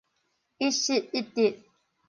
一失一得